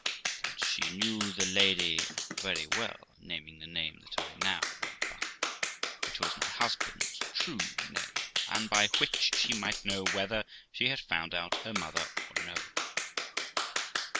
That she knew the Lady very well (naming the name that I now went by), which was my husband's true name, and by which she might know whether she had found out her mother or no.